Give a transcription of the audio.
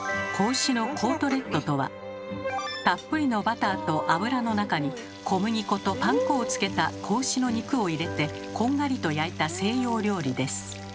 子牛のコートレットとはたっぷりのバターと油の中に小麦粉とパン粉をつけた子牛の肉を入れてこんがりと焼いた西洋料理です。